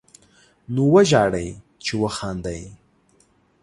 نو وژاړئ، چې وخاندئ